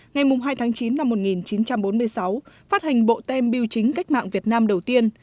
ngày hai tháng chín năm một nghìn chín trăm bốn mươi sáu phát hành bộ tem biêu chính cách mạng việt nam đầu tiên